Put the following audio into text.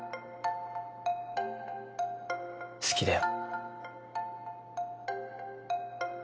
好きだよ。